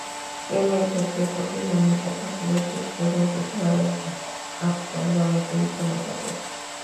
প্রেমের ক্ষেত্রে প্রতিদ্বন্দ্বিতা থাকলেও শেষ পর্যন্ত জয়ের মালা আপনার গলাতেই শোভা পাবে।